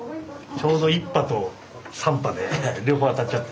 ちょうど１波と３波で両方あたっちゃって。